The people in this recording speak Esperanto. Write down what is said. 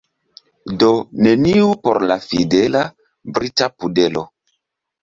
Do neniu por la fidela, brita pudelo.